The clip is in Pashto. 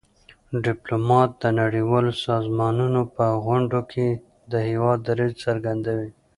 ډيپلومات د نړیوالو سازمانونو په غونډو کي د هېواد دریځ څرګندوي.